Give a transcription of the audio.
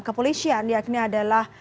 kepolisian yakni adalah